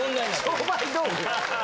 商売道具。